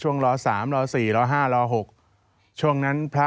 ช่วงล๓ช่วงล๔ช่วงล๕